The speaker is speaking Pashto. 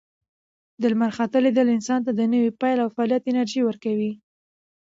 د لمر خاته لیدل انسان ته د نوي پیل او فعالیت انرژي ورکوي.